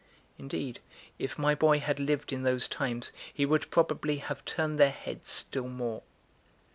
Indeed, if my boy had lived in those times, he would probably have turned their heads still more.